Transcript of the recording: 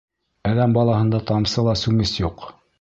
Әҙәм балаһында тамсы ла сүмес юҡ!